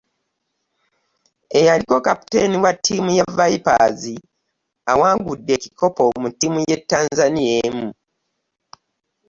Eyaliko kapitaani wa ttiimu ya Vipers awangudde ekikopo mu ttiimu y'e Tanzania emu.